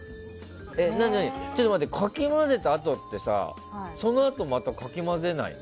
ちょっと待ってかき混ぜたあとってそのあと、またかき混ぜないの？